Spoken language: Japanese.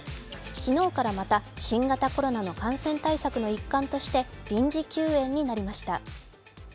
昨日からまた、新型コロナの感染対策の一環として臨時休園になりました。